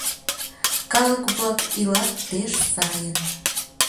Калык-влак илат пеш сайын.